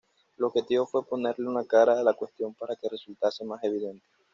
El objetivo fue ponerle una cara a la cuestión para que resultase más evidente.